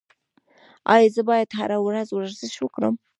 ایا زه باید هره ورځ ورزش وکړم؟